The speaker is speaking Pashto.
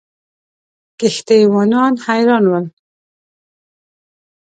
کښتۍ وانان حیران ول.